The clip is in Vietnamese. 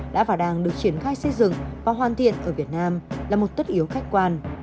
đã và đang được triển khai xây dựng và hoàn thiện ở việt nam là một tất yếu khách quan